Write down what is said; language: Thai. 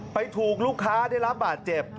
ถูกลูกค้าได้รับบาดเจ็บ